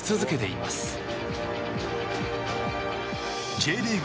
Ｊリーグ